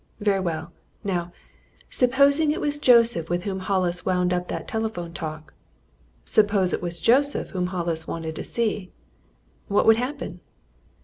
Very well now, supposing it was Joseph with whom Hollis wound up that telephone talk, suppose it was Joseph whom Hollis was to see. What would happen?